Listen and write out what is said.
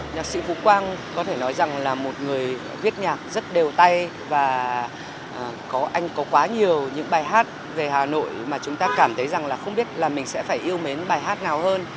nhạc sĩ phú quang có thể nói rằng là một người viết nhạc rất đều tay và anh có quá nhiều những bài hát về hà nội mà chúng ta cảm thấy rằng là không biết là mình sẽ phải yêu mến bài hát nào hơn